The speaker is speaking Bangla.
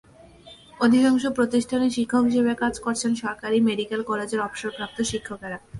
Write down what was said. অধিকাংশ প্রতিষ্ঠানে শিক্ষক হিসেবে কাজ করছেন সরকারি মেডিকেল কলেজের অবসরপ্রাপ্ত শিক্ষকেরা।